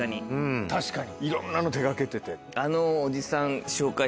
確かにいろんなの手掛けてて。